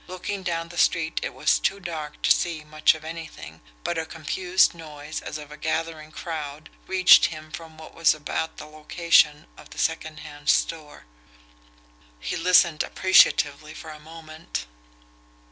Looking down the street it was too dark to see much of anything, but a confused noise as of a gathering crowd reached him from what was about the location of the secondhand store. He listened appreciatively for a moment.